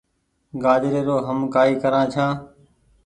گآجري رو هم ڪآئي ڪرآن ڇآن ۔